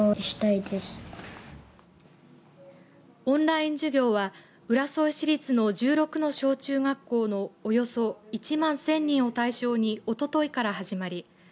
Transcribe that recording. オンライン授業は浦添市立の１６の小中学校のおよそ１万１０００人を対象におとといから始まり